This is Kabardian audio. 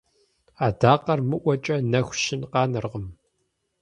Адакъэр мыӀуэкӀэ нэху щын къанэркъым.